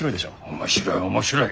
面白い面白い。